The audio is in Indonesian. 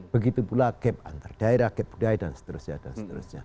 begitu pula gap antar daerah gap budaya dan seterusnya dan seterusnya